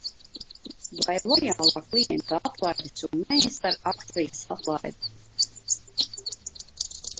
Vai lojālā klienta atlaide summējas ar akcijas atlaidi?